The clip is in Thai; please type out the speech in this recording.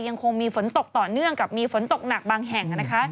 ยังคงมีฝนตกต่อเนื่องกับมีฝนตกหนักบางแห่ง